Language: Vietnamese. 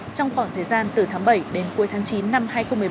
trong khoảng thời gian từ tháng bảy đến cuối tháng chín năm hai nghìn một mươi bảy